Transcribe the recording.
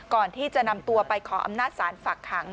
ก่อนที่จะนำตัวไปขออำนาจศาลฝากขัง